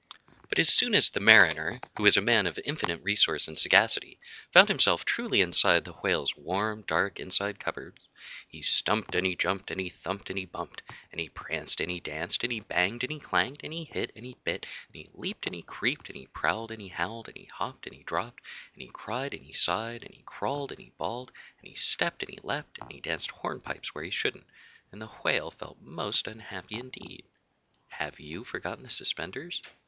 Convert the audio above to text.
But as soon as the Mariner, who was a man of infinite resource and sagacity, found himself truly inside the Whale's warm, dark, inside cup boards, he stumped and he jumped and he thumped and he bumped, and he pranced and he danced, and he banged and he clanged, and he hit and he bit, and he leaped and he creeped, and he prowled and he howled, and he hopped and he dropped, and he cried and he sighed, and he crawled and he bawled, and he stepped and he lepped, and he danced hornpipes where he shouldn't, and the Whale felt most unhappy indeed. (Have you forgotten the suspenders?)